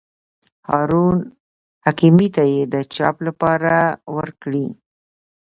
هارون حکیمي ته یې د چاپ لپاره ورکړي.